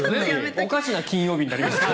おかしな金曜日になります。